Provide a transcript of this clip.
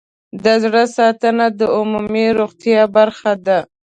د زړه ساتنه د عمومي روغتیا برخه ده.